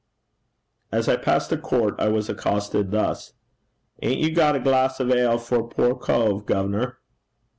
As I passed a court, I was accosted thus: ''Ain't you got a glass of ale for a poor cove, gov'nor?'